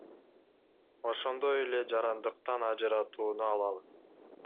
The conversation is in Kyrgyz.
Ошондой эле жарандыктан ажыратууну алалы.